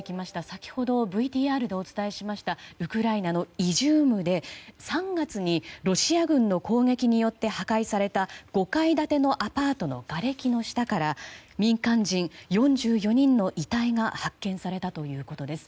先ほど、ＶＴＲでお伝えしましたウクライナのイジュームで３月にロシア軍の攻撃によって破壊された５階建てのアパートのがれきの下から民間人４４人の遺体が発見されたということです。